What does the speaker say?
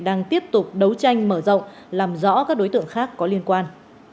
đang tiếp tục đấu tranh mở rộng làm rõ các đối tượng khác có liên quan